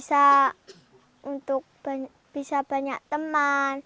selain anak anak wintaus aksa juga bisa memperoleh makanan yang bisa dikelola sendiri